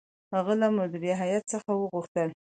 هغه له مدیره هیات څخه وغوښتل.